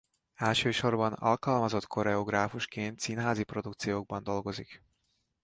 Elsősorban alkalmazott koreográfusként színházi produkciókban dolgozik.